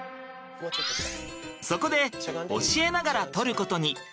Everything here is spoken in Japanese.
そこで教えながら撮ることに。